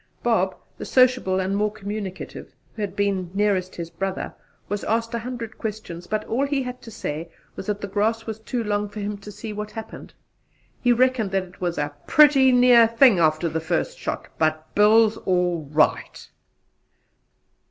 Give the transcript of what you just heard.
Bob, the sociable and more communicative, who had been nearest his brother, was asked a hundred questions, but all he had to say was that the grass was too long for him to see what happened: he reckoned that it was "a pretty near thing after the first shot; but Bill's all right!"